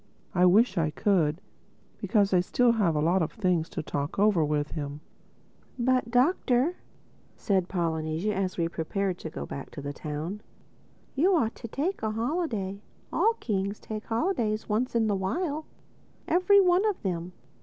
I wish I could, because I still have a lot of things to talk over with him." "But Doctor," said Polynesia as we prepared to go back to the town, "you ought to take a holiday. All Kings take holidays once in the while—every one of them.